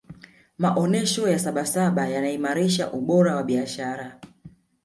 maonesha ya sabasaba yanaimarisha ubora wa biashara